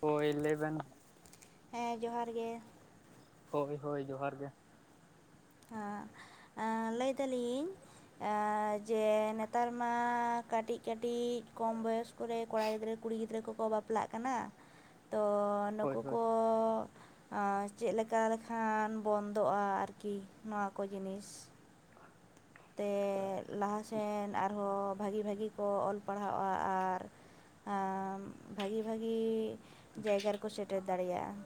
ᱦᱳᱭ ᱞᱟᱹᱭ ᱵᱤᱱ ᱦᱮᱸ ᱡᱚᱦᱟᱨ ᱜᱮ ᱦᱳᱭ ᱦᱳᱭ ᱡᱚᱦᱟᱨ ᱜᱮ ᱟᱸᱜ ᱞᱟᱹᱭ ᱫᱟᱞᱤᱧ ᱮᱸ ᱡᱮ ᱱᱮᱛᱟᱨ ᱢᱟ ᱠᱟᱹᱴᱤᱡ ᱠᱟᱹᱴᱤᱡ ᱠᱚᱢ ᱵᱚᱭᱚᱥ ᱠᱚᱨᱮ ᱠᱚᱲᱟ ᱜᱤᱫᱽᱨᱟᱹ ᱠᱩᱲᱤ ᱜᱤᱫᱽᱨᱟᱹ ᱠᱚᱠᱚ ᱵᱟᱯᱞᱟᱜ ᱠᱟᱱᱟ ᱛᱚ ᱦᱳᱭ ᱱᱩᱠᱩ ᱦᱳᱭ ᱠᱚ ᱟᱸ ᱪᱮᱫ ᱞᱮᱠᱟ ᱞᱮᱠᱷᱟᱱ ᱵᱚᱱᱫᱚᱜ-ᱟ ᱟᱨᱠᱤ ᱱᱚᱣᱟ ᱠᱚ ᱡᱤᱱᱤᱥ ᱛᱮ ᱞᱟᱦᱟ ᱥᱮᱱ ᱟᱨᱦᱚᱸ ᱵᱷᱟᱜᱤ ᱵᱷᱟᱜᱤ ᱠᱚ ᱚᱞ ᱯᱟᱲᱦᱟᱣᱚᱜ-ᱟ ᱟᱨ ᱟᱢ ᱵᱷᱟᱜᱤ ᱵᱷᱟᱜᱤ ᱾ ᱡᱟᱭᱜᱟ ᱨᱮᱠᱚ ᱥᱮᱴᱮᱨ ᱫᱟᱲᱮᱭᱟᱜ-ᱟ ᱾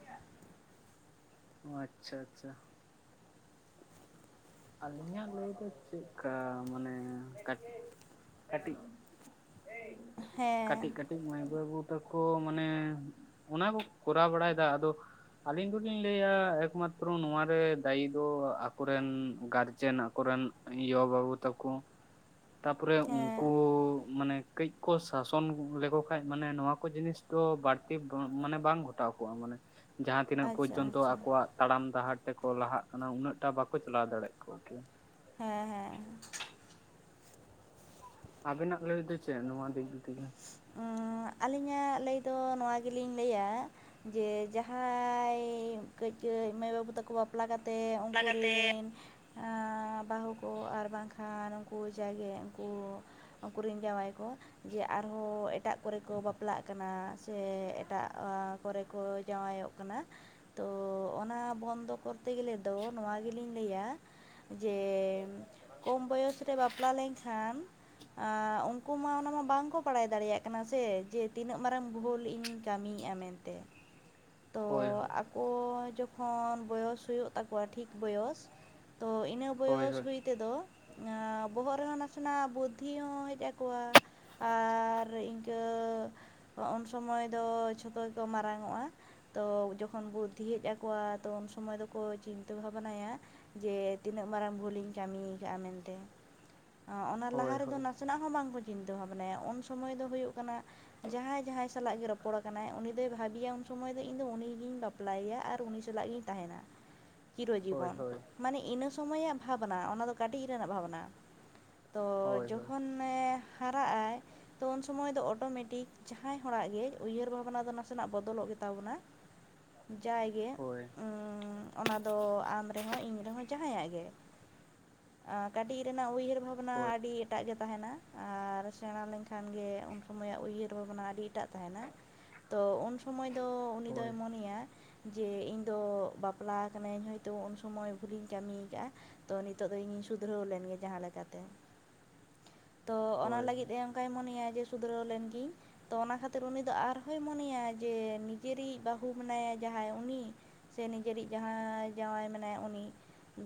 ᱚ ᱟᱪᱷᱟ ᱟᱪᱷᱟ ᱟᱹᱞᱤᱧᱟᱜ ᱞᱟᱹᱭ ᱫᱚ ᱪᱮᱫᱠᱟ ᱢᱟᱱᱮ ᱠᱟᱴᱤᱡ ᱠᱟᱴᱤᱡ ᱠᱟᱴᱤᱡ ᱦᱮᱸ ᱠᱟᱴᱤᱡ ᱠᱟᱹᱴᱤᱡ ᱢᱟᱹᱭ ᱵᱟᱹᱵᱩ ᱛᱟᱠᱚ ᱢᱟᱱᱮ ᱚᱱᱟ ᱠᱚ ᱠᱚᱨᱟᱣ ᱵᱟᱲᱟᱭᱫᱟ ᱟᱫᱚ ᱾ ᱟᱹᱞᱤᱧ ᱫᱚᱞᱤᱧ ᱞᱟᱹᱭᱟ ᱮᱠᱢᱟᱛᱨᱚ ᱱᱚᱣᱟᱟᱨ ᱨᱮ ᱫᱟᱹᱭᱤ ᱫᱚ ᱟᱠᱚᱨᱮᱱ ᱜᱟᱨᱡᱮᱱ ᱟᱠᱚ ᱨᱤᱱ ᱭᱚ ᱵᱟᱵᱩ ᱛᱮᱠᱚ ᱛᱟᱯᱚᱨᱮ ᱦᱮᱸ ᱩᱱᱠᱩ ᱢᱟᱱᱮ ᱠᱟᱹᱡ ᱠᱚ ᱥᱟᱥᱚᱱ ᱞᱮᱠᱚ ᱠᱷᱟᱱ ᱢᱟᱱᱮ ᱱᱚᱣᱟ ᱠᱚ ᱡᱤᱱᱤᱥ ᱫᱚ ᱵᱟᱹᱲᱛᱤ ᱢᱟᱱᱮ ᱵᱟᱝ ᱜᱷᱚᱴᱟᱣ ᱠᱚᱜᱼᱟ ᱢᱟᱱᱮ ᱡᱟᱦᱟᱸᱛᱤᱱᱟᱹᱜ ᱟᱪᱪᱷᱟ ᱯᱚᱨᱡᱚᱱᱛᱚ ᱟᱪᱪᱷᱟ ᱟᱠᱚᱣᱟᱜ ᱛᱟᱲᱟᱢ ᱰᱟᱦᱟᱨ ᱛᱮᱠᱚ ᱞᱟᱦᱟᱜ ᱠᱟᱱᱟ ᱩᱱᱟᱹᱜ ᱴᱟ ᱵᱟᱠᱚ ᱪᱟᱞᱟᱣ ᱫᱟᱲᱮᱭᱟᱜ -ᱟ ᱾ ᱠᱚᱠᱮ ᱦᱮᱸ ᱦᱮᱸ ᱟᱵᱮᱱᱟᱜ ᱞᱟᱹᱭ ᱫᱚ ᱪᱮᱫ ᱱᱚᱣᱟ ᱫᱤᱠᱤ ᱛᱮᱜᱮ ᱟᱹᱞᱤᱧᱟᱜ ᱞᱟᱹᱭ ᱫᱚ ᱱᱚᱣᱟ ᱜᱮᱞᱤᱧ ᱞᱟᱹᱭᱟ ᱾ ᱡᱮ ᱡᱟᱦᱟᱸᱭ ᱠᱟᱹᱡ ᱠᱟᱹᱡ ᱢᱟᱹᱭ ᱵᱟᱹᱵᱩ ᱛᱟᱠᱚ ᱵᱟᱯ ᱵᱟᱯᱞᱟ ᱠᱟᱛᱮᱫ ᱩᱱᱠᱩᱨᱤᱱ ᱵᱟᱹᱦᱩ ᱠᱚ ᱟᱨ ᱵᱟᱝᱠᱷᱟᱱ ᱩᱱᱠᱩ ᱡᱟᱜᱮ ᱩᱱᱠᱩ ᱩᱱᱠᱧ ᱡᱟᱶᱟᱭ ᱠᱚ ᱡᱮ ᱟᱨᱦᱚᱸ ᱮᱴᱟᱜ ᱠᱚᱨᱮ ᱠᱚ ᱵᱟᱯᱞᱟᱜ ᱠᱟᱱᱟ ᱾ ᱥᱮ ᱮᱴᱟᱜ ᱠᱚᱨᱮ ᱠᱚ ᱡᱟᱶᱟᱭᱚᱜ ᱠᱟᱱᱟ ᱾ ᱛᱚ ᱚᱱᱟ ᱵᱚᱱᱫᱚ ᱠᱚᱨᱛᱮ ᱜᱮᱞᱮ ᱫᱚ ᱱᱚᱣᱟ ᱜᱮᱞᱤᱧ ᱞᱟᱹᱭᱟ ᱾ ᱡᱮ ᱠᱚᱢ ᱵᱚᱭᱚᱥ ᱨᱮ ᱵᱟᱯᱞᱟ ᱞᱮᱱᱠᱷᱟᱱ ᱾ ᱩᱱᱠᱩ ᱢᱟ ᱚᱱᱟᱢᱟ ᱵᱟᱝ ᱠᱚ ᱾ ᱵᱟᱲᱟᱭ ᱫᱟᱲᱮᱭᱟᱜ ᱠᱟᱱᱟ ᱥᱮ ᱡᱮ ᱛᱤᱱᱟᱹᱜ ᱢᱟᱨᱟᱝ ᱵᱷᱳᱞ ᱤᱧᱤᱧ ᱠᱟᱹᱢᱤᱭᱮᱫᱼᱟ ᱢᱮᱱᱛᱮ ᱦᱳᱭ ᱦᱳᱭ ᱠᱚ ᱡᱚᱠᱷᱚᱱ ᱵᱚᱭᱚᱥ ᱦᱩᱭᱩᱜ ᱛᱟᱠᱚᱣᱟ ᱴᱷᱤᱠ ᱵᱚᱭᱚᱥ ᱛᱚ ᱤᱱᱟᱹ ᱦᱳᱭ ᱵᱚᱭᱚᱥ ᱦᱩᱭ ᱛᱮᱫᱚ ᱵᱚᱦᱚᱜ ᱨᱮᱦᱚᱸ ᱱᱟᱥᱮᱱᱟᱜ ᱵᱩᱫᱽᱫᱷᱤ ᱦᱚᱸ ᱦᱮᱡ ᱟᱠᱚᱣᱟ ᱟᱨ ᱤᱱᱠᱟᱹ ᱩᱱ ᱥᱚᱢᱚᱭ ᱫᱚ ᱡᱷᱚᱛᱚ ᱜᱮᱠᱚ ᱢᱟᱨᱟᱝ ᱚᱜᱼᱟ ᱾ ᱛᱚ ᱡᱚᱠᱷᱚᱱ ᱵᱩᱫᱽᱫᱷᱤ ᱦᱮᱡ ᱟᱠᱚᱣᱟ ᱛᱚ ᱩᱱ ᱥᱚᱢᱚᱭ ᱫᱚᱠᱚ ᱪᱤᱱᱛᱟᱹ ᱵᱷᱟᱵᱱᱟᱭᱟ ᱾ ᱡᱮ ᱛᱤᱱᱟᱹᱜ ᱢᱟᱨᱟᱝ ᱵᱷᱞᱤᱤᱧ ᱠᱟᱹᱢᱤᱤᱭ ᱠᱟᱜᱼᱟ ᱢᱮᱱᱛᱮ ᱚᱱᱟ ᱞᱟᱦᱟ ᱦᱳᱭ ᱦᱳᱭ ᱨᱮᱫᱚ ᱱᱟᱥ ᱦᱳᱭ ᱥᱮᱱᱟᱜ ᱦᱚᱸ ᱵᱟᱝᱠᱚ ᱪᱤᱱᱛᱟᱹ ᱵᱷᱟᱵᱽᱱᱟᱭᱟ ᱩᱱᱥᱚᱢᱚᱭ ᱫᱚ ᱦᱩᱭᱩᱜ ᱠᱟᱱᱟ ᱡᱟᱦᱟᱸᱭ ᱡᱟᱦᱟᱸᱭ ᱥᱟᱞᱟᱜ ᱜᱮ ᱨᱚᱯᱚᱲ ᱠᱟᱱᱟᱭ ᱩᱱᱤ ᱫᱚᱭ ᱵᱷᱟᱹᱵᱮᱤᱭᱟ ᱩᱱ ᱥᱚᱢᱚᱭ ᱫᱚ ᱟᱫᱚ ᱤᱧ ᱫᱚ ᱩᱱᱤᱜᱤᱧ ᱵᱟᱯᱞᱟᱭᱮᱭᱟ ᱟᱨ ᱩᱱᱤ ᱥᱟᱞᱟᱜ ᱜᱤᱧ ᱛᱟᱦᱮᱱᱟ ᱾ ᱪᱤᱨᱚ ᱡᱤᱵᱚᱱ ᱦᱳᱭ ᱦᱳᱭ ᱢᱟᱱᱮ ᱤᱱᱟᱹ ᱥᱚᱢᱚᱭᱭᱟᱜ ᱵᱷᱟᱵᱽᱱᱟ ᱚᱱᱟ ᱫᱚ ᱠᱟᱹᱴᱤᱡ ᱨᱮᱱᱟᱜ ᱵᱷᱟᱵᱽᱱᱟ ᱾ ᱛᱚ ᱦᱳᱭ ᱡᱚᱠᱷᱚᱱᱮ ᱦᱟᱨᱟᱜᱼᱟᱭ ᱾ ᱛᱚ ᱩᱱ ᱥᱚᱢᱚᱭ ᱫᱚ ᱚᱴᱳᱢᱮᱴᱤᱠ ᱡᱟᱦᱟᱸᱭ ᱦᱚᱲᱟᱜ ᱜᱮ ᱩᱭᱦᱟᱹᱨ ᱵᱷᱟᱵᱽᱱᱟ ᱫᱚ ᱱᱟᱥᱮᱱᱟᱜ ᱵᱚᱫᱚᱞᱚᱜ ᱜᱮ ᱛᱟᱵᱚᱱᱟ ᱡᱟᱭ ᱜᱮ ᱦᱳᱭ ᱚᱻ ᱚᱱᱟ ᱫᱚ ᱟᱢ ᱨᱮᱦᱚᱸ ᱤᱧ ᱨᱮᱦᱚᱸ ᱡᱟᱦᱟᱸᱭᱟᱜ ᱜᱮ ᱠᱟᱹᱴᱤᱡᱽ ᱨᱮᱱᱟᱜ ᱩᱭᱦᱟᱹᱨ ᱵᱷᱟᱵᱽᱱᱟ ᱦᱳᱭ ᱟᱹᱰᱤ ᱮᱴᱟᱜ ᱜᱮ ᱛᱟᱦᱮᱱᱟ᱾ ᱟᱨ ᱥᱮᱬᱟ ᱞᱮᱱᱠᱷᱟᱱ ᱜᱮ ᱩᱱ ᱥᱚᱢᱚᱭᱟᱜ ᱩᱭᱦᱟᱹᱨ ᱵᱷᱟᱵᱽᱱᱟ ᱟᱹᱰᱤ ᱮᱴᱟᱜ ᱛᱟᱦᱮᱱᱟ᱾ ᱛᱚ ᱩᱱ ᱥᱚᱢᱚᱭ ᱫᱚ ᱩᱱᱤ ᱦᱳᱭ ᱦᱳᱭ ᱫᱚᱭ ᱢᱚᱱᱮᱭᱟ᱾ ᱡᱮ ᱤᱧ ᱫᱚ ᱵᱟᱯᱞᱟ ᱠᱟᱹᱱᱟᱹᱧ ᱦᱚᱭᱛᱳ ᱩᱱ ᱥᱚᱢᱚᱭ ᱵᱷᱩᱞᱤᱧ ᱠᱟᱹᱢᱤ ᱟᱠᱟᱫᱼᱟ᱾ ᱛᱚ ᱱᱤᱛᱚᱜ ᱫᱚ ᱤᱧᱤᱧ ᱥᱩᱫᱷᱨᱟᱹᱣ ᱞᱮᱱᱜᱮ ᱡᱟᱦᱟᱸ ᱞᱮᱠᱟᱛᱮ ᱛᱚ ᱚᱱᱟ ᱦᱳᱭ ᱞᱟᱹᱜᱤᱫ ᱮ ᱚᱱᱠᱟᱭ ᱢᱚᱱᱮᱭᱟ ᱡᱮ ᱥᱩᱫᱷᱨᱟᱹᱣ ᱞᱮᱱ ᱜᱤᱭᱟᱹᱧ ᱛᱚ ᱚᱱᱟ ᱠᱷᱟᱹᱛᱤᱨ ᱩᱱᱤ ᱫᱚ ᱟᱨᱦᱚᱭ ᱢᱚᱱᱮᱭᱟ ᱡᱮ ᱱᱤᱡᱮᱨᱤᱡᱽ ᱵᱟᱹᱦᱩ ᱢᱮᱱᱟᱭᱟ ᱡᱟᱦᱟᱸᱭ ᱩᱱᱤ ᱥᱮ ᱱᱤᱡᱮᱨᱤᱡᱽ ᱡᱟᱦᱟᱸᱭ ᱡᱟᱶᱟᱭ ᱢᱮᱱᱟᱭᱟ ᱩᱱᱤ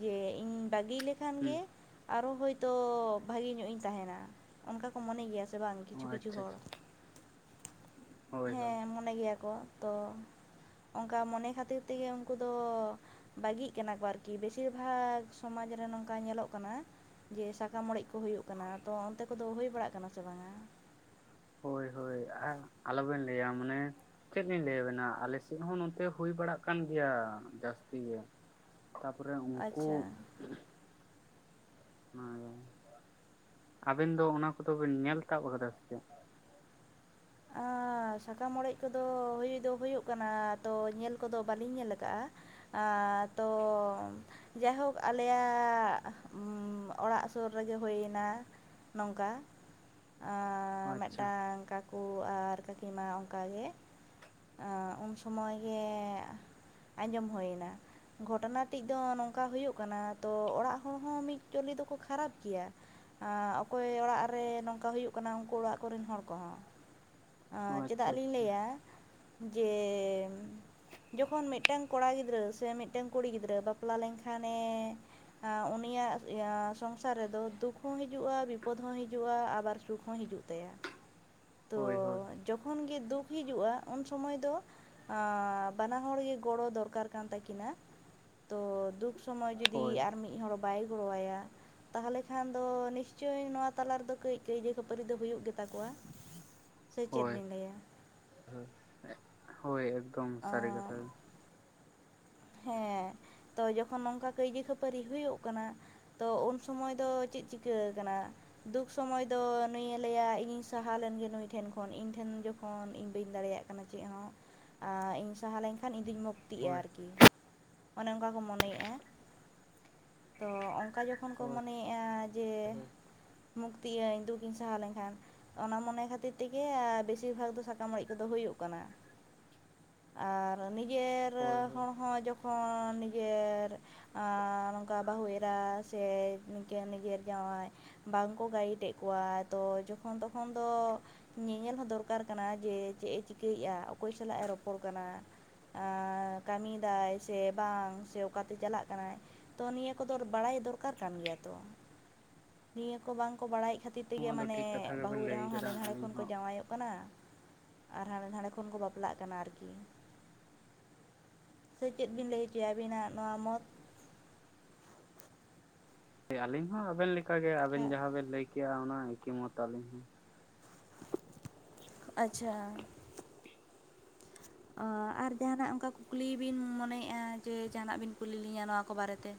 ᱡᱮ ᱤᱧ ᱵᱟᱹᱜᱤ ᱞᱮᱠ ᱠᱷᱟᱱ ᱦᱩᱸ ᱜᱮ ᱟᱨᱚ ᱦᱳᱭᱛᱳ ᱵᱷᱟᱹᱜᱮ ᱧᱚᱜ ᱤᱧ ᱛᱟᱦᱮᱱᱟ ᱚᱱᱠᱟ ᱠᱚ ᱢᱚᱱᱮ ᱜᱮᱭᱟ ᱥᱮ ᱵᱟᱝ ᱚ ᱠᱤᱪᱷᱩ ᱠᱤᱪᱷᱩ ᱟᱪᱪᱷᱟ ᱦᱚᱲ ᱟᱪᱪᱷᱟ ᱦᱳᱭ ᱦᱳᱭ ᱦᱮᱸ ᱢᱚᱱᱮ ᱜᱮᱭᱟ ᱠᱚ ᱛᱚ ᱚᱱᱠᱟ ᱢᱚᱱᱮ ᱠᱷᱟᱹᱛᱤᱨ ᱛᱮᱜᱮ ᱩᱱᱠᱩ ᱫᱚ ᱵᱟᱹᱜᱤᱜ ᱠᱟᱱᱟ ᱠᱚ ᱟᱨᱠᱤ ᱵᱮᱥᱤᱨ ᱵᱷᱟᱜᱽ ᱥᱚᱢᱟᱡᱽ ᱨᱮ ᱱᱚᱝᱠᱟ ᱧᱮᱞᱚᱜ ᱠᱟᱱᱟ ᱡᱮ ᱥᱟᱠᱟᱢ ᱚᱲᱮᱡ ᱠᱚ ᱦᱩᱭᱩᱜ ᱠᱟᱱᱟ ᱛᱚ ᱚᱱᱛᱮ ᱠᱚᱫᱚ ᱦᱩᱭ ᱵᱟᱲᱟᱜ ᱠᱟᱱᱟ ᱥᱮ ᱵᱟᱝᱼᱟ᱾ [unintelligible] ᱟ ᱟᱞᱚᱵᱤᱱ ᱞᱟᱹᱭᱟ ᱢᱟᱱᱮ ᱪᱮᱫ ᱞᱤᱧ ᱞᱟᱹᱭᱟᱵᱮᱱᱟ ᱟᱞᱮᱥᱮᱫ ᱦᱚᱸ ᱱᱚᱛᱮ ᱦᱩᱭ ᱵᱟᱲᱟᱜ ᱠᱟᱱ ᱜᱮᱭᱟ ᱡᱟᱹᱥᱛᱤ ᱜᱮ᱾ ᱛᱟᱯᱚᱨᱮ ᱩᱱᱠᱩ ᱟᱪᱪᱷᱟ [unintelligible] ᱟᱵᱤᱱ ᱫᱚ ᱚᱱᱟ ᱠᱚᱫᱚ ᱵᱤᱱ ᱧᱮᱞ ᱛᱟᱵ ᱠᱟᱫᱟ ᱥᱮ ᱪᱮᱫ ᱟᱻ ᱥᱟᱠᱟᱢ ᱚᱲᱮᱡ ᱠᱚᱫᱚ ᱦᱳᱭ ᱫᱚ ᱦᱳᱭᱳᱜ ᱠᱟᱱᱟ ᱛᱚ ᱧᱮᱞ ᱠᱚᱫᱚ ᱵᱟᱹᱞᱤᱧ ᱧᱮᱞ ᱠᱟᱜᱼᱟ᱾ ᱟᱻ ᱛᱚᱢ ᱡᱟᱭᱦᱳᱠ ᱟᱞᱮᱭᱟᱜ ᱚᱲᱟᱜ ᱥᱳᱨ ᱨᱮᱜᱮ ᱦᱳᱭᱱᱟ ᱱᱚᱝᱠᱟ ᱟ ᱟᱪᱪᱷᱟ ᱢᱤᱫᱴᱟᱝ ᱠᱟᱠ ᱚ ᱟᱨ ᱠᱟᱹᱠᱤᱢᱟ ᱚᱱᱠᱟᱜᱮ ᱩᱱ ᱥᱚᱢᱚᱭ ᱜᱮ ᱟᱸᱡᱚᱢ ᱦᱩᱭᱱᱟ᱾ ᱜᱷᱚᱴᱚᱱᱟ ᱴᱤᱡ ᱫᱚ ᱱᱚᱝᱠᱟ ᱦᱳᱭᱳᱜ ᱠᱟᱱᱟ ᱛᱚ ᱚᱲᱟᱜ ᱦᱚᱲ ᱦᱚᱸ ᱢᱤᱫ ᱪᱚᱞᱤ ᱫᱚᱠᱚ ᱠᱷᱟᱨᱟᱯ ᱜᱮᱭᱟ᱾ ᱚᱠᱚᱭ ᱚᱲᱟᱜ ᱨᱮ ᱱᱚᱝᱠᱟ ᱦᱩᱭᱩᱜ ᱠᱟᱱᱟ ᱩᱱᱠᱩ ᱚᱲᱟᱜ ᱠᱚᱨᱮᱱ ᱦᱚᱲ ᱠᱚᱦᱚᱸ ᱪᱮᱫᱟᱜ ᱟᱪᱪᱷᱟ ᱞᱤᱧ ᱟᱪᱪᱷᱟ ᱞᱟᱹᱭᱟ ᱡᱮ ᱡᱚᱠᱷᱚᱱ ᱢᱤᱫᱴᱟᱝ ᱠᱚᱲᱟ ᱜᱤᱫᱽᱨᱟᱹ ᱥᱮ ᱢᱤᱫᱴᱟᱝ ᱠᱩᱲᱤ ᱜᱤᱫᱽᱨᱟᱹ ᱵᱟᱯᱞᱟ ᱞᱮᱱᱠᱷᱟᱱᱮ ᱩᱱᱤᱭᱟᱜ ᱥᱚᱝᱥᱟᱨ ᱨᱮᱫᱚ ᱫᱩᱠᱷ ᱦᱚᱸ ᱦᱤᱡᱩᱜᱼᱟ ᱵᱤᱯᱚᱫ ᱦᱚᱸ ᱦᱤᱡᱩᱜᱼᱟ ᱟᱵᱟᱨ ᱥᱩᱠ ᱦᱚᱸ ᱦᱤᱡᱩᱜ ᱛᱟᱭᱟ᱾ ᱛᱚ ᱦᱳᱭ ᱦᱳᱭ ᱡᱚᱠᱷᱚᱱ ᱜᱮ ᱫᱩᱠᱷ ᱦᱤᱡᱩᱜᱼᱟ ᱩᱱ ᱥᱚᱢᱚᱭ ᱫᱚ ᱟᱻ ᱵᱟᱱᱟ ᱦᱚᱲ ᱜᱮ ᱜᱚᱲᱚ ᱫᱚᱨᱠᱟᱨ ᱠᱟᱱ ᱛᱟᱹᱠᱤᱱᱟ ᱛᱚ ᱫᱩᱠᱷ ᱥᱚᱢᱚᱭ ᱡᱩᱫᱤ ᱦᱳᱭ ᱟᱨ ᱢᱤᱫ ᱦᱚᱲ ᱵᱟᱭ ᱜᱚᱲᱚᱣᱟᱭᱟ ᱛᱟᱦᱚᱞᱮ ᱠᱷᱟᱱ ᱫᱚ ᱱᱤᱥᱪᱳᱭ ᱱᱚᱣᱟ ᱛᱟᱞᱟ ᱨᱮᱫᱚ ᱠᱟᱹᱡᱽ ᱠᱟᱹᱭᱡᱟᱹ ᱠᱷᱟᱹᱯᱟᱹᱨᱤ ᱫᱚ ᱦᱩᱭᱩᱜ ᱜᱮᱛᱟᱠᱚᱣᱟ᱾ ᱥᱮ ᱪᱮᱫ ᱦᱳᱭ ᱵᱤᱱ ᱞᱟᱹᱭᱟ᱾ ᱦᱳᱭ ᱦᱳᱭ ᱮᱠᱫᱚᱢ ᱥᱟᱹᱨᱤ ᱠᱟᱛᱷᱟ ᱜᱮ᱾ ᱦᱮᱸ ᱛᱚ ᱡᱚᱠᱷᱚᱱ ᱱᱚᱝᱠᱟ ᱠᱟᱹᱭᱡᱟᱹ ᱠᱷᱟᱹᱯᱟᱹᱨᱤ ᱦᱳᱭᱩᱜ ᱠᱟᱱᱟ ᱛᱚ ᱩᱱ ᱥᱚᱢᱚᱭ ᱫᱚ ᱪᱮᱫ ᱪᱤᱠᱟᱹ ᱠᱟᱱᱟ ᱫᱩᱠ ᱥᱚᱢᱚᱭ ᱫᱚ ᱱᱩᱭᱮ ᱞᱟᱹᱭᱟ ᱤᱧᱤᱧ ᱥᱟᱦᱟ ᱞᱮᱱᱜᱮ ᱱᱩᱭ ᱴᱷᱮᱱ ᱠᱷᱚᱱ ᱤᱧ ᱴᱷᱮᱱ ᱡᱚᱠᱷᱚᱱ ᱤᱧ ᱵᱟᱹᱧ ᱫᱟᱲᱮᱭᱟᱜ ᱠᱟᱱᱟ ᱪᱮᱫ ᱦᱚᱸ ᱟ ᱤᱧ ᱥᱟᱦᱟ ᱞᱮᱱᱠᱷᱟᱱ ᱤᱧ ᱫᱩᱧ ᱢᱩᱠᱛᱤᱜᱼᱟ ᱦᱳᱭ ᱟᱨᱠᱤ ᱚᱱᱮ ᱚᱱᱠᱟ ᱠᱚ ᱢᱚᱱᱮᱭᱮᱜᱼᱟ᱾ ᱛᱚ ᱚᱱᱠᱟ ᱡᱚᱠᱷᱚᱱ ᱠᱚ ᱦᱳᱭ ᱢᱚᱱᱮᱭᱮᱜᱼᱟ ᱡᱮ ᱢᱩᱠᱛᱤ ᱟᱹᱧ ᱫᱩᱠᱤᱧ ᱥᱟᱦᱟ ᱞᱮᱱᱠᱷᱟᱱ ᱚᱱᱟ ᱢᱚᱱᱮ ᱠᱷᱟᱹᱛᱤᱨ ᱛᱮᱜᱮ ᱵᱤᱥᱤᱨ ᱵᱷᱟᱜᱽ ᱫᱚ ᱥᱟᱠᱟᱢ ᱚᱲᱮᱡ ᱠᱚᱫᱚ ᱦᱩᱭᱩᱜ ᱠᱟᱱᱟ᱾ ᱟᱨ ᱱᱤᱡᱮᱨ ᱦᱳᱭ ᱦᱳᱭ ᱦᱚᱲ ᱦᱚᱸ ᱡᱚᱠᱷᱚᱱ ᱱᱤᱡᱮᱨ ᱱᱚᱝᱠᱟ ᱵᱟᱹᱦᱩ ᱮᱨᱟ ᱥᱮ ᱱᱤᱝᱠᱟᱹ ᱱᱤᱡᱮᱨ ᱡᱟᱶᱟᱭ ᱵᱟᱝᱠᱚ ᱜᱟᱭᱤᱰ ᱮᱜ ᱠᱚᱣᱟ ᱛᱚ ᱡᱚᱠᱷᱚᱱ ᱛᱚᱠᱷᱚᱱ ᱫᱚ ᱧᱮᱧᱮᱞ ᱦᱚᱸ ᱫᱚᱨᱠᱟᱨ ᱠᱟᱱᱟ ᱡᱮ ᱪᱮᱫ ᱮ ᱪᱤᱠᱟᱹᱭᱮᱜᱼᱟ ᱚᱠᱚᱭ ᱥᱟᱞᱟᱜ ᱮ ᱨᱚᱯᱚᱲ ᱠᱟᱱᱟ ᱠᱟᱹᱢᱤ ᱫᱟᱭ ᱥᱮ ᱵᱟᱝ ᱥᱮ ᱚᱠᱟᱛᱮ ᱪᱟᱞᱟᱜ ᱠᱟᱱᱟᱭ᱾ ᱛᱚ ᱱᱤᱭᱟᱹ ᱠᱚᱫᱚ ᱵᱟᱲᱟᱭ ᱫᱚᱨᱠᱟᱨ ᱠᱟᱱ ᱜᱮᱭᱟ ᱛᱚ ᱱᱤᱭᱟᱹ ᱠᱚ ᱵᱟᱝᱠᱚ ᱵᱟᱲᱟᱭᱮᱫ ᱠᱷᱟᱹᱛᱤᱨ ᱛᱮᱜᱮ ᱱᱚᱣᱟ ᱫᱚ ᱴᱷᱤᱠ ᱢᱟᱱᱮ ᱠᱟᱛᱷᱟ ᱜᱮᱵᱮᱱ ᱵᱟᱹᱦᱩ ᱮᱨᱟ ᱞᱟᱹᱭ ᱦᱚᱸ ᱦᱟᱸᱰᱮ ᱟᱠᱟᱫᱟ ᱱᱟᱰᱮ ᱟᱹᱞᱤᱧ ᱠᱷᱚᱱ ᱠᱚ ᱦᱚᱸ ᱡᱟᱶᱟᱭᱚᱜ ᱠᱟᱱᱟ᱾ ᱟᱨ ᱦᱟᱸᱰᱮ ᱱᱟᱸᱰᱮ ᱠᱷᱚᱱ ᱠᱚ ᱵᱟᱯᱞᱟᱜ ᱠᱟᱱᱟ ᱟᱨᱠᱤ ᱥᱮ ᱪᱮᱫ ᱵᱤᱱ ᱞᱟᱹᱭ ᱦᱚᱪᱚᱭᱟ ᱟᱵᱤᱱᱟᱜ ᱱᱚᱣᱟ ᱢᱚᱛ ᱟᱞᱤᱧ ᱦᱚᱸ ᱟᱵᱮᱱᱠᱟᱜᱮ ᱟᱵᱮᱱ ᱠᱷᱟᱡ ᱡᱟᱦᱟᱸ ᱵᱮᱱ ᱞᱟᱹᱭ ᱠᱮᱜᱼᱟ ᱚᱱᱟ ᱮᱠᱤ ᱢᱚᱛ ᱟᱹᱞᱤᱧ ᱦᱚᱸ ᱟᱪᱪᱷᱟ ᱚ ᱟᱨ ᱡᱟᱦᱟᱱᱟᱜ ᱚᱱᱠᱟ ᱠᱩᱠᱞᱤ ᱵᱤᱱ ᱢᱚᱱᱮᱭᱮᱜ-ᱟ ᱡᱮ ᱡᱟᱦᱟᱱᱟᱜ ᱵᱤᱱ ᱠᱩᱞᱤ ᱞᱤᱧᱟᱹ ᱱᱚᱣᱟ ᱠᱚ ᱵᱟᱨᱮᱛᱮ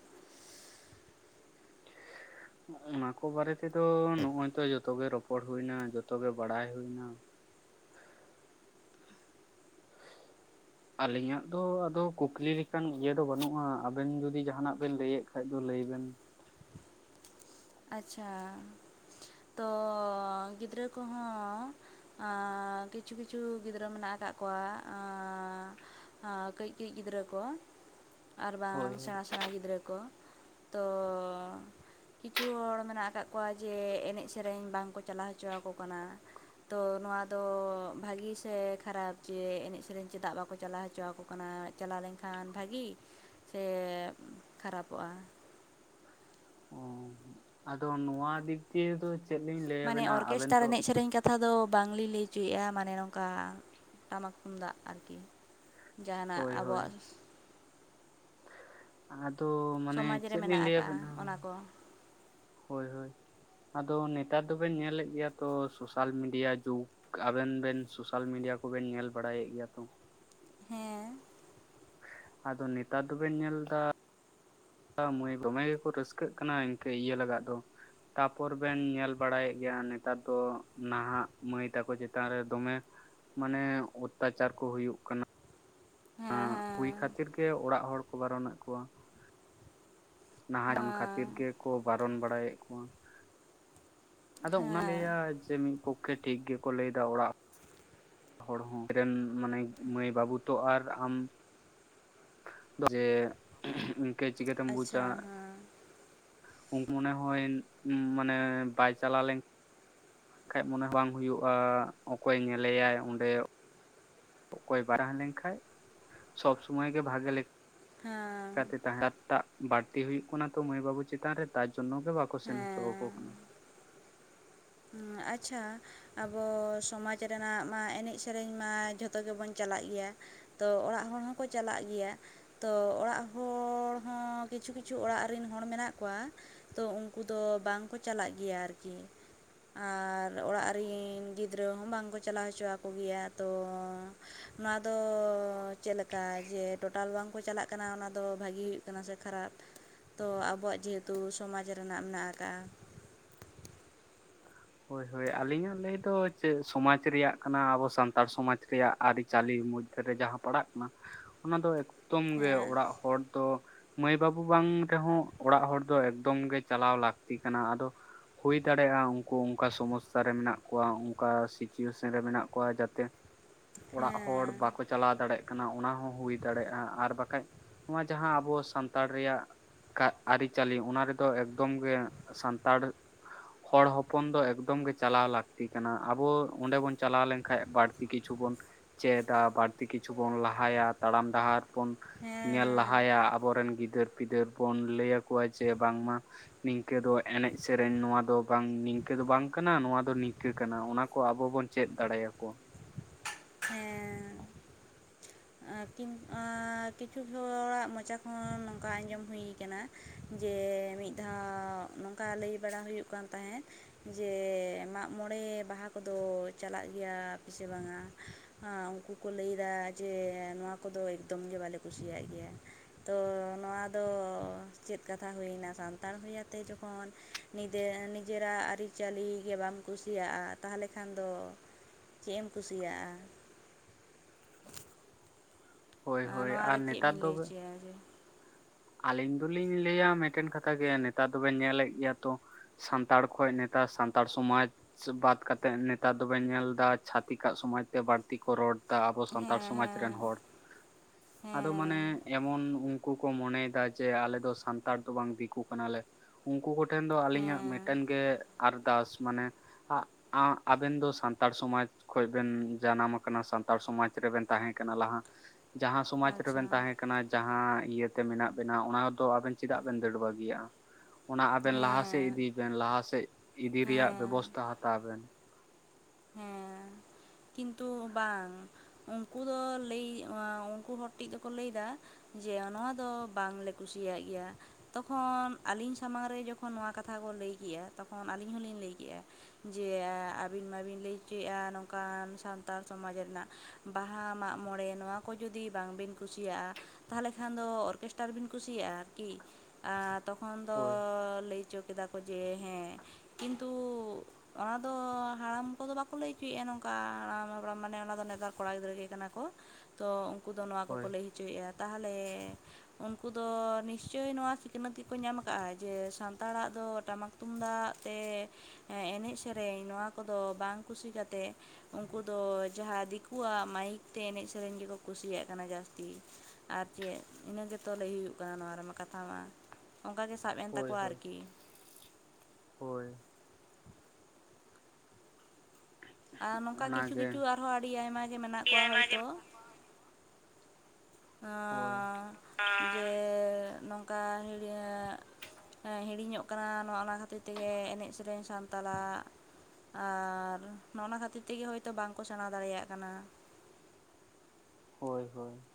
ᱚᱱᱟ ᱠᱚ ᱵᱟᱨᱮ ᱛᱮᱫᱚ ᱱᱚᱜ-ᱚᱭ ᱛᱚ ᱡᱚᱛᱚ ᱜᱮ ᱨᱚᱯᱚᱲ ᱦᱳᱭᱱᱟ ᱡᱚᱛᱚ ᱜᱮ ᱵᱟᱲᱟᱭ ᱦᱳᱭᱱᱟ ᱟᱞᱤᱧᱟᱜ ᱫᱚ ᱟᱫᱚ ᱠᱩᱠᱞᱤ ᱞᱮᱠᱟᱱ ᱤᱭᱟᱹ ᱫᱚ ᱵᱟᱹᱱᱩᱜᱼᱟ, ᱟᱵᱮᱱ ᱡᱩᱫᱤ ᱡᱟᱦᱟᱱᱟᱜ ᱵᱮᱱ ᱞᱟᱹᱭᱮᱫ ᱠᱷᱟᱡ ᱫᱚ ᱞᱟᱹᱭ ᱵᱮᱱ᱾ [unintelligible] ᱟᱪᱪᱷᱟ ᱛᱚ ᱜᱤᱫᱽᱨᱟᱹ ᱠᱚᱦᱚᱸ ᱠᱤᱪᱷᱩ ᱠᱤᱪᱷᱩ ᱜᱤᱫᱽᱨᱟᱹ ᱢᱮᱱᱟᱜ ᱠᱟᱜ ᱠᱚᱣᱟ ᱠᱟᱹᱡ ᱠᱟᱹᱡ ᱜᱤᱫᱽᱨᱟᱹ ᱠᱚ ᱟᱨ ᱵᱟᱝ ᱦᱳᱭ ᱦᱳᱭ ᱥᱮᱬᱟ ᱥᱮᱬᱟ ᱜᱤᱫᱽᱨᱟᱹ ᱠᱚ ᱛᱚ ᱠᱤᱪᱷᱩ ᱦᱚᱲ ᱢᱮᱱᱟᱜ ᱠᱟᱫ ᱠᱚᱣᱟ ᱡᱮ ᱮᱱᱮᱡ ᱥᱮᱨᱮᱧ ᱵᱟᱝᱠᱚ ᱪᱟᱞᱟᱣ ᱦᱚᱪᱚ ᱟᱠᱚ ᱠᱟᱱᱟ᱾ ᱛᱚ ᱱᱚᱣᱟ ᱫᱚ ᱵᱷᱟᱜᱮ ᱥᱮ ᱠᱷᱟᱨᱟᱯ ᱡᱮ ᱮᱱᱮᱡ ᱥᱮᱨᱮᱧ ᱪᱮᱫᱟᱜ ᱵᱟᱠᱚ ᱪᱟᱞᱟᱣ ᱦᱚᱪᱚ ᱟᱠᱚ ᱠᱟᱱᱟ᱾ ᱪᱟᱞᱟᱣ ᱞᱮᱱ ᱠᱷᱟᱱ ᱵᱷᱟᱜᱤ ᱥᱮ ᱠᱷᱟᱨᱟᱯᱚᱜᱼᱟ ᱚ ᱟᱫᱚ ᱱᱚᱣᱟ ᱫᱤᱠ ᱫᱤᱭᱮ ᱫᱚ ᱪᱮᱫ ᱞᱤᱧ ᱞᱟᱹᱭ ᱢᱟᱱᱮ ᱟᱵᱮᱱᱟ ᱟᱵᱮᱱ ᱚᱨᱠᱮᱥᱴᱟᱨ ᱫᱚ ᱮᱱᱮᱡ ᱥᱮᱨᱮᱧ ᱠᱟᱛᱷᱟ ᱫᱚ ᱵᱟᱝᱞᱤᱧ ᱞᱟᱹᱭ ᱚᱪᱚᱭᱮᱫᱼᱟ ᱢᱟᱱᱮ ᱱᱚᱝᱠᱟ ᱴᱟᱢᱟᱠ ᱛᱩᱢᱫᱟᱜ ᱟᱨᱠᱤ ᱡᱟᱦᱟᱱᱟᱜ ᱦᱳᱭ ᱦᱳᱭ ᱟᱵᱚᱣᱟᱜ ᱟᱫᱚ ᱢᱟᱱᱮ ᱥᱚᱢᱟᱡᱽ ᱨᱮ ᱪᱮᱫ ᱢᱮᱱᱟᱜ ᱞᱤᱧ ᱞᱟᱹᱭ ᱟᱠᱟᱜᱼᱟ ᱟᱵᱮᱱᱟ ᱚᱱᱟ ᱠᱚ ᱦᱳᱭ ᱦᱳᱭ᱾ ᱟᱫᱚ ᱱᱮᱛᱟᱨ ᱫᱚᱵᱮᱱ ᱧᱮᱞᱮᱫ ᱜᱮᱭᱟ ᱛᱚ ᱥᱳᱥᱟᱞ ᱢᱤᱰᱤᱭᱟ ᱡᱩᱜᱽ ᱟᱵᱮᱱ ᱵᱮᱱ ᱥᱳᱥᱟᱞ ᱢᱤᱰᱤᱭᱟ ᱠᱚᱵᱮᱱ ᱧᱮᱞ ᱵᱟᱲᱟᱭᱮᱫ ᱜᱮᱭᱟ ᱛᱚ ᱦᱮᱸ ᱟᱫᱚ ᱱᱮᱛᱟᱨ ᱫᱚᱵᱮᱱ ᱧᱮᱞ ᱫᱟ ᱢᱟᱹᱭ ᱫᱚᱢᱮ ᱜᱮᱠᱚ ᱨᱟᱹᱥᱠᱟᱹᱜ ᱠᱟᱱᱟ ᱤᱱᱠᱟᱹ ᱤᱭᱟᱹ ᱞᱟᱜᱟᱜ ᱫᱚ ᱛᱟᱯᱚᱨ ᱵᱮᱱ ᱧᱮᱞ ᱵᱟᱲᱟᱭᱮᱫ ᱜᱮᱭᱟ ᱱᱮᱛᱟᱨ ᱫᱚ ᱱᱟᱦᱟᱜ ᱢᱟᱹᱭ ᱛᱟᱠᱚ ᱪᱮᱛᱟᱱ ᱨᱮ ᱫᱚᱢᱮ ᱢᱟᱱᱮ ᱚᱛᱛᱟᱪᱟᱨ ᱠᱚ ᱦᱩᱭᱩᱜ ᱠᱟᱱᱟ᱾ ᱦᱮᱸ ᱦᱮᱸ ᱟᱜ ᱦᱩᱭ ᱠᱷᱟᱛᱤᱨ ᱜᱮ ᱚᱲᱟᱜ ᱦᱚᱲ ᱠᱚ ᱵᱟᱨᱚᱱᱚᱜ ᱠᱚᱣᱟ᱾ [unintelligible] ᱦᱮᱸ ᱠᱷᱟᱛᱤᱨ ᱜᱮᱠᱚ ᱵᱟᱨᱚᱱ ᱵᱟᱲᱟᱭᱮᱫ ᱠᱚᱣᱟ ᱟᱫᱚ ᱚᱱᱟ ᱦᱮᱸ ᱞᱮᱭᱟ ᱡᱮ ᱢᱤᱫ ᱯᱚᱠᱠᱷᱮ ᱴᱷᱤᱠ ᱜᱮᱠᱚ ᱞᱟᱹᱭᱫᱟ ᱚᱲᱟᱜ ᱦᱚᱲ ᱦᱚ ᱨᱮᱱ ᱢᱟᱱᱮ ᱢᱟᱹᱭ ᱵᱟᱹᱵᱩ ᱛᱚ ᱟᱨ ᱟᱢ ᱡᱮ ᱤᱱᱠᱟᱹ ᱪᱤᱠᱟᱹᱛᱮᱢ ᱵᱩᱡᱟ ᱟᱪᱪᱷᱟ ᱦᱮᱸ ᱢᱚᱱᱮ ᱦᱚ ᱢᱟᱱᱮ ᱵᱟᱭ ᱪᱟᱞᱟᱣ ᱞᱮᱱ ᱠᱷᱟᱡ ᱢᱚᱱᱮ ᱵᱟᱝ ᱦᱩᱭᱩᱜᱼᱟ ᱚᱠᱚᱭ ᱧᱮᱞᱮᱭᱟᱭ ᱚᱸᱰᱮ ᱚᱠᱚᱭ ᱵᱟᱭ ᱦᱮᱜ ᱞᱮᱱ ᱠᱷᱟᱡ ᱥᱚᱵ ᱥᱚᱢᱚᱭ ᱜᱮ ᱵᱷᱟᱜᱮ ᱞᱮ ᱦᱮᱸ [unintelligible] ᱵᱟᱹᱲᱛᱤ ᱦᱩᱭᱩᱜ ᱠᱟᱱᱟ ᱛᱚ ᱢᱟᱹᱭ ᱵᱟᱹᱵᱩ ᱪᱮᱛᱟᱱ ᱨᱮ ᱛᱟᱨ ᱡᱚᱱᱱᱚ ᱜᱮ ᱵᱟᱠᱚ ᱥᱮᱱ ᱦᱚᱪᱚ ᱟᱠᱚ ᱦᱮᱸ ᱠᱟᱱᱟ᱾ ᱦᱩ ᱟᱪᱪᱷᱟ ᱟᱵᱚ ᱥᱚᱢᱟᱡᱽ ᱨᱮᱱᱟᱜ ᱢᱟ ᱮᱱᱮᱡ ᱥᱮᱨᱮᱧ ᱢᱟ ᱡᱷᱚᱛᱚ ᱜᱮᱵᱚᱱ ᱪᱟᱞᱟᱜ ᱜᱮᱭᱟ᱾ ᱛᱚ ᱚᱲᱟᱜ ᱦᱚᱲ ᱦᱚᱸᱠᱚ ᱪᱟᱞᱟᱜ ᱜᱮᱭᱟ᱾ ᱛᱚ ᱚᱲᱟᱜ ᱦᱚᱲ ᱦᱚᱸ ᱠᱤᱪᱷᱩ ᱠᱤᱪᱷᱩ ᱚᱲᱟᱜ ᱨᱮᱱ ᱦᱚᱲ ᱢᱮᱱᱟᱜ ᱠᱚᱣᱟ ᱛᱚ ᱩᱱᱠᱩ ᱫᱚ ᱵᱟᱝᱠᱚ ᱪᱟᱞᱟᱜ ᱜᱮᱭᱟ ᱟᱨᱠᱤ ᱟᱨ ᱚᱲᱟᱜ ᱨᱤᱱ ᱜᱤᱫᱽᱨᱟᱹ ᱦᱚ ᱵᱟᱝᱠᱚ ᱪᱟᱞᱟᱣ ᱦᱚᱪᱚ ᱟᱠᱚ ᱜᱮᱭᱟ ᱛᱚ ᱱᱚᱣᱟ ᱫᱚ ᱪᱮᱫᱞᱮᱠᱟ ᱡᱮ ᱴᱳᱴᱟᱞ ᱵᱟᱝᱠᱚ ᱪᱟᱞᱟᱜ ᱠᱟᱱᱟ ᱚᱱᱟ ᱫᱚ ᱵᱷᱟᱜᱤ ᱠᱟᱱᱟ ᱥᱮ ᱠᱷᱟᱨᱟᱯ ᱛᱚ ᱟᱵᱚᱣᱟᱜ ᱡᱮᱦᱮᱛᱩ ᱥᱚᱢᱟᱡᱽ ᱨᱮᱱᱟᱜ ᱢᱮᱱᱟᱜ ᱟᱠᱟᱜᱼᱟ ᱦᱳᱭ ᱦᱳᱭ ᱟᱹᱞᱤᱧᱟᱜ ᱞᱟᱹᱭ ᱫᱚ ᱪᱮᱫ ᱥᱚᱢᱟᱡᱽ ᱨᱮᱭᱟᱜ ᱠᱟᱱᱟ ᱟᱵᱚ ᱥᱟᱱᱛᱟᱲ ᱥᱚᱢᱟᱡᱽ ᱨᱮᱭᱟᱜ ᱟᱹᱨᱤ ᱪᱟᱹᱞᱤ ᱨᱮ ᱡᱟᱦᱟ ᱯᱟᱲᱟᱜ ᱠᱟᱱᱟ ᱚᱱᱟ ᱫᱚ ᱮᱠᱫᱚᱢ ᱜᱮ ᱦᱮᱸ ᱚᱲᱟᱜ ᱦᱚᱲ ᱫᱚ ᱢᱟᱹᱭ ᱵᱟᱹᱵᱩ ᱵᱟᱝ ᱛᱮᱦᱚ ᱚᱲᱟᱜ ᱦᱚᱲ ᱫᱚ ᱮᱠᱫᱚᱢ ᱜᱮ ᱪᱟᱞᱟᱣ ᱞᱟᱹᱠᱛᱤ ᱠᱟᱱᱟ ᱟᱫᱚ ᱦᱩᱭ ᱫᱟᱲᱮᱭᱟᱜᱼᱟ ᱠᱩ ᱚᱱᱠᱟ ᱥᱚᱢᱚᱥᱥᱟ ᱨᱮ ᱢᱮᱱᱟᱜ ᱠᱚᱣᱟ ᱚᱱᱠᱟ ᱥᱤᱪᱩᱭᱮᱥᱚᱱ ᱨᱮ ᱢᱮᱱᱟᱜ ᱠᱚᱣᱟ ᱡᱟᱛᱮ ᱚᱲᱟᱜ ᱦᱚᱲ ᱦᱮᱸ ᱵᱟᱠᱚ ᱪᱟᱞᱟᱣ ᱫᱟᱲᱮᱜ ᱠᱟᱱᱟ ᱚᱱᱟ ᱦᱚ ᱦᱩᱭ ᱫᱟᱲᱮᱭᱟᱜᱼᱟ ᱟᱨ ᱵᱟᱠᱷᱟᱡ ᱱᱚᱣᱟ ᱡᱟᱦᱟ ᱟᱵᱚ ᱥᱟᱱᱛᱟᱲ ᱨᱮᱭᱟᱜ ᱠᱟᱜ ᱟᱹᱨᱤᱪᱟᱞᱤ ᱚᱱᱟ ᱨᱮᱫᱚ ᱮᱠᱫᱚᱢ ᱜᱮ ᱥᱟᱱᱛᱟᱲ ᱦᱚᱲ ᱦᱚᱯ ᱯᱚᱱ ᱫᱚ ᱮᱠᱫᱚᱢ ᱜᱮ ᱪᱟᱞᱟᱣ ᱞᱟᱹᱠᱛᱤ ᱠᱟᱱᱟ ᱟᱵᱚ ᱚᱸᱰᱮ ᱵᱚᱱ ᱪᱟᱞᱟᱣ ᱞᱮᱱᱠᱷᱟᱱ ᱵᱟᱹᱲᱛᱤ ᱠᱤᱪᱷᱩ ᱵᱚᱱ ᱪᱮᱫᱟ ᱵᱟᱹᱲᱛᱤ ᱠᱤᱪᱷᱩ ᱵᱚᱱ ᱞᱟᱦᱟᱭᱟ ᱛᱟᱲᱟᱢ ᱰᱟᱦᱟᱨ ᱵᱚᱱ ᱧᱮᱞ ᱦᱮᱸ ᱞᱟᱦᱟᱭᱟ ᱟᱵᱚᱨᱮᱱ ᱜᱤᱫᱟᱹᱨ ᱯᱤᱫᱟᱹᱨ ᱵᱚᱱ ᱞᱟᱹᱭ ᱟᱠᱚᱣᱟ ᱡᱮ ᱵᱟᱝᱢᱟ ᱱᱤᱝᱠᱟᱹ ᱫᱚ ᱮᱱᱮᱡ ᱥᱮᱨᱮᱧ ᱱᱚᱣᱟ ᱫᱚ ᱵᱟᱝ ᱛᱮ ᱫᱚ ᱵᱟᱝ ᱠᱟᱱᱟ ᱱᱚᱣᱟ ᱫᱚ ᱱᱤᱝᱟᱹ ᱠᱟᱱᱟ ᱚᱱᱟ ᱠᱚ ᱟᱵᱚ ᱵᱚᱱ ᱪᱮᱫ ᱫᱟᱲᱮᱭᱟᱠᱚᱣᱟ ᱦᱮᱸ ᱮᱜ ᱠᱤᱢ ᱠᱤᱪᱷᱩ ᱦᱚᱲᱟᱜ ᱢᱚᱪᱟ ᱠᱷᱚᱱ ᱱᱚᱝᱠᱟ ᱟᱸᱡᱚᱢ ᱦᱩᱭᱩ ᱠᱟᱱᱟ ᱡᱮ ᱢᱤᱫ ᱫᱷᱟᱣ ᱱᱚᱝᱠᱟ ᱞᱟᱹᱭ ᱵᱟᱲᱟ ᱦᱩᱭᱩᱜ ᱠᱟᱱ ᱛᱟᱦᱮᱸᱫ ᱡᱮ ᱢᱟᱜ ᱢᱚᱬᱮ ᱵᱟᱦᱟ ᱠᱚᱫᱚ ᱪᱟᱞᱟᱜ ᱜᱮᱭᱟ ᱯᱮᱥᱮ ᱵᱟᱝ-ᱟ ᱦᱟ ᱩᱱᱠᱩ ᱠᱚ ᱞᱟᱹᱭᱫᱟ ᱡᱮ ᱱᱚᱣᱟ ᱠᱚᱫᱚ ᱮᱠᱫᱚᱢ ᱜᱮ ᱵᱟᱞᱮ ᱠᱩᱥᱤᱭᱟᱜ ᱜᱮᱭᱟ᱾ ᱛᱚ ᱱᱚᱣᱟ ᱫᱚ ᱪᱮᱫ ᱠᱟᱛᱷᱟ ᱦᱩᱭᱱᱟ ᱥᱟᱱᱛᱟᱲ ᱦᱩᱭ ᱠᱟᱛᱮᱜ ᱡᱚᱠᱷᱚᱱ-ᱼ ᱱᱤᱡᱮ ᱱᱤᱡᱮᱨᱟᱜ ᱟᱹᱨᱤ ᱪᱟᱹᱞᱤ ᱜᱮ ᱵᱟᱢ ᱠᱩᱥᱤᱭᱟᱜᱼᱟ ᱛᱟᱦᱚᱞᱮ ᱠᱷᱟᱱ ᱫᱚ ᱪᱮᱫ ᱮᱢ ᱠᱩᱥᱤᱭᱟᱜᱼᱟ ᱦᱳᱭ ᱦᱳᱭ ᱱᱚᱣᱟ ᱟᱨ ᱨᱮ ᱪᱮᱫ ᱱᱮᱛᱟᱨ ᱵᱤᱱ ᱫᱚ ᱞᱟᱹᱭ ᱚᱪᱚᱭᱟ ᱡᱮ ᱟᱹᱞᱤᱧ ᱫᱚᱞᱤᱧ ᱞᱟᱹᱭᱟ ᱢᱤᱫᱴᱮᱱ ᱠᱟᱛᱷᱟ ᱜᱮ ᱱᱮᱛᱟᱨ ᱫᱚᱵᱮᱱ ᱧᱮᱞᱮᱫ ᱜᱮᱭᱟ ᱛᱚ ᱾ ᱥᱟᱱᱛᱟᱲ ᱠᱷᱚᱡ ᱱᱮᱛᱟᱨ ᱥᱟᱱᱛᱟᱲ ᱥᱚᱢᱟᱡᱽ ᱾ ᱵᱟᱫ ᱠᱟᱛᱮᱜ ᱱᱮᱛᱟᱨ ᱫᱚᱵᱮᱱ ᱧᱮᱞ ᱫᱟ ᱪᱷᱟᱹᱛᱤᱠᱟᱜ ᱥᱚᱢᱟᱡᱽ ᱛᱮ ᱵᱟᱹᱲᱛᱤ ᱠᱚ ᱨᱚᱲ ᱼᱼ ᱫᱟ ᱟᱵᱚ ᱥᱟᱱᱛᱟᱲ ᱦᱮᱸ ᱥᱚᱢᱟᱡᱽ ᱨᱮᱱ ᱦᱮᱸ ᱦᱚᱲ ᱟᱫᱚ ᱢᱟᱱᱮ ᱦᱮᱸ ᱮᱢᱚᱱ ᱩᱱᱠᱩ ᱠᱚ ᱢᱚᱱᱮᱭ ᱫᱟ ᱡᱮ ᱟᱞᱮ ᱫᱚ ᱥᱟᱱᱛᱟᱲ ᱫᱚ ᱵᱟᱝ ᱫᱤᱠᱩ ᱠᱟᱱᱟᱞᱮ ᱩᱱᱠᱩ ᱠᱚᱴᱷᱮᱱ ᱫᱚ ᱟᱹᱞᱤᱧᱟᱜ ᱦᱮᱸ ᱢᱤᱫᱴᱮᱱ ᱜᱮ ᱟᱨᱫᱟᱥ ᱢᱟᱱᱮ ᱟᱵᱮᱱ ᱫᱚ ᱥᱟᱱᱛᱟᱲ ᱥᱚᱢᱟᱡᱽ ᱠᱷᱚᱡ ᱵᱮᱱ ᱡᱟᱱᱟᱢ ᱟᱠᱟᱱᱟ ᱥᱟᱱᱛᱟᱲ ᱥᱚᱢᱟᱡᱽ ᱨᱮᱵᱮᱱ ᱛᱟᱦᱮᱸ ᱠᱟᱱᱟ ᱞᱟᱦᱟ ᱾ ᱡᱟᱦᱟᱸ ᱥᱚᱢᱟᱡᱽ ᱟᱪᱪᱷᱟ ᱨᱮᱵᱮᱱ ᱛᱟᱦᱮᱸ ᱠᱟᱱᱟ ᱡᱟᱦᱟᱸ ᱤᱭᱟᱹᱛᱮ ᱢᱮᱱᱟᱜ ᱵᱮᱱᱟᱣ ᱚᱱᱟᱫᱚ ᱟᱵᱮᱱ ᱪᱮᱫᱟᱜ ᱵᱮᱱ ᱫᱟᱹᱲ ᱵᱟᱹᱜᱤᱭᱟᱜᱼᱟ ᱾ ᱚᱱᱟ ᱟᱵᱮᱱ ᱞᱟᱦᱟᱥᱮᱜ ᱦᱮᱸ ᱤᱫᱤ ᱵᱮᱱ ᱞᱟᱦᱟᱥᱮᱜ ᱤᱫᱤ ᱨᱮᱭᱟᱜ ᱦᱮᱸ ᱵᱮᱵᱚᱥᱛᱟ ᱦᱟᱛᱟᱣ ᱵᱮᱱ ᱾ ᱦᱮᱸ ᱾ ᱠᱤᱱᱛᱩ ᱵᱟᱝ ᱩᱱᱠᱩ ᱫᱚ ᱞᱟᱹᱭ ᱩᱱᱠᱩ ᱦᱚᱲ ᱴᱤᱡ ᱫᱚᱠᱚ ᱞᱟᱹᱭᱫᱟ ᱡᱮ ᱱᱚᱣᱟ ᱫᱚ ᱵᱟᱝᱞᱮ ᱠᱩᱥᱤᱭᱟᱜ ᱜᱮᱭᱟ ᱾ ᱛᱚᱠᱷᱚᱱ ᱟᱹᱞᱤᱧ ᱥᱟᱢᱟᱝ ᱨᱮ ᱡᱚᱠᱷᱚᱱ ᱱᱚᱣᱟ ᱠᱟᱛᱷᱟ ᱠᱚ ᱞᱟᱹᱭ ᱠᱮᱜᱼᱟ ᱛᱚᱠᱷᱚᱱ ᱟᱹᱞᱤᱧ ᱦᱚᱞᱤᱧ ᱞᱟᱹᱭ ᱠᱮᱜᱼᱟ ᱡᱮ ᱟᱹᱵᱤᱱ ᱢᱟᱵᱤᱱ ᱞᱟᱹᱭ ᱦᱚᱪᱚᱭᱮᱜᱼᱟ ᱱᱚᱝᱠᱟᱱ ᱥᱟᱱᱛᱟᱲ ᱥᱚᱢᱟᱡᱽ ᱨᱮᱱᱟᱜ ᱵᱟᱦᱟ ᱢᱟᱜᱽ ᱢᱚᱬᱮ ᱱᱚᱣᱟ ᱠᱚ ᱡᱩᱫᱤ ᱵᱟᱝᱵᱤᱱ ᱠᱩᱥᱤᱭᱟᱜᱼᱟ ᱛᱟᱞᱚᱦᱮ ᱠᱷᱟᱱ ᱫᱚ ᱚᱨᱠᱮᱥᱴᱟᱨ ᱵᱤᱱ ᱠᱩᱥᱤᱭᱟᱜᱼᱟ ᱟᱨᱠᱤ ᱾ ᱟ ᱛᱚᱠᱷᱚᱱ ᱫᱚ ᱦᱳᱭ ᱞᱟᱹᱭ ᱦᱚᱪᱚ ᱠᱮᱫᱟ ᱠᱚ ᱡᱮ ᱦᱮᱸ ᱾ ᱠᱤᱱᱛᱩ ᱚᱱᱟ ᱫᱚ ᱦᱟᱲᱟᱢ ᱠᱚᱫᱚ ᱵᱟᱠᱚ ᱞᱟᱹᱭ ᱚᱪᱚᱭᱮᱜᱼᱟ ᱱᱚᱝ ᱚᱱᱠᱟ ᱦᱟᱲᱟᱢ [unintelligible] ᱢᱟᱱᱮ ᱚᱱᱟ ᱫᱚ ᱱᱮᱛᱟᱨ ᱠᱚᱲᱟ ᱜᱤᱫᱽᱨᱟᱹ ᱜᱮ ᱠᱟᱱᱟ ᱠᱚ ᱛᱚ ᱩᱱᱠᱩ ᱫᱚ ᱱᱚᱣᱟ ᱠᱚ ᱦᱳᱭ ᱞᱟᱹᱭ ᱦᱚᱪᱚᱭᱮᱜᱼᱟ ᱛᱟᱦᱟᱞᱮ ᱩᱱᱠᱩ ᱫᱚ ᱱᱤᱥᱪᱚᱭ ᱱᱚᱣᱟ ᱥᱤᱠᱷᱱᱟᱹᱛ ᱜᱮᱠᱚ ᱧᱟᱢ ᱠᱟᱜᱼᱟ ᱡᱮ ᱥᱟᱱᱛᱟᱲᱟᱜ ᱫᱚ ᱴᱟᱢᱟᱠ ᱛᱩᱢᱫᱟᱜ ᱛᱮ ᱮᱱᱮᱡ ᱥᱮᱨᱮᱧ ᱱᱚᱣᱟ ᱠᱚᱫᱚ ᱵᱟᱝ ᱠᱩᱥᱤ ᱠᱟᱛᱮᱜ ᱩᱱᱠᱩ ᱫᱚ ᱡᱟᱦᱟᱸ ᱫᱤᱠᱩᱣᱟᱜ ᱢᱟᱭᱤᱠ ᱛᱮ ᱮᱱᱮᱡ ᱥᱮᱨᱮᱧ ᱜᱮᱠᱚ ᱠᱩᱥᱤᱭᱟᱜ ᱠᱟᱱᱟ ᱡᱟᱹᱥᱛᱤ ᱾ ᱟᱨ ᱪᱮᱜ ᱤᱱᱟᱹ ᱜᱮᱛᱚ ᱞᱟᱹᱭ ᱦᱩᱭᱩᱜ ᱠᱟᱱᱟ ᱱᱚᱣᱟ ᱨᱮᱢᱟ ᱠᱟᱛᱷᱟ ᱢᱟ ᱾ ᱚᱝᱠᱟ ᱜᱮ ᱥᱟᱵ ᱮᱱ ᱦᱳᱭ ᱛᱟᱠᱚᱣᱟ ᱦᱳᱭ ᱟᱨᱠᱤ ᱾ ᱦᱳᱭ ᱾ ᱟᱨ ᱱᱚᱠᱟ ᱠᱤᱪᱷᱩ ᱚᱱᱟᱜᱮ ᱠᱤᱪᱷᱩ ᱟᱨᱦᱚᱸ ᱟᱹᱰᱤ ᱟᱭᱢᱟ ᱜᱮ ᱢᱮᱱᱟᱜ ᱠᱚᱣᱟ ᱦᱳᱭᱛᱚ? ᱦᱳᱭ ᱾ ᱡᱮ ᱱᱚᱝᱠᱟ [unintelligible] ᱦᱤᱲᱤᱧᱚᱜ ᱠᱟᱱᱟ ᱱᱚᱣᱟ ᱚᱱᱟ ᱠᱷᱟᱹᱛᱤᱨ ᱛᱮᱜᱮ ᱮᱱᱮᱡ ᱥᱮᱨᱮᱧ ᱥᱟᱱᱛᱟᱞᱟᱜ ᱾ ᱟᱨ ᱱᱚᱜ ᱱᱟ ᱠᱷᱟᱹᱛᱤᱨ ᱛᱮᱜᱮ ᱦᱳᱭᱛᱳ ᱵᱟᱝᱠᱚ ᱥᱮᱬᱟ ᱫᱟᱲᱮᱭᱟᱜ ᱠᱟᱱᱟ ᱾ ᱦᱳᱭ ᱦᱳᱭ ᱾